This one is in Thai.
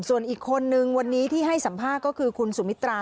ส่วนอีกคนนึงวันนี้ที่ให้สัมภาษณ์ก็คือคุณสุมิตรา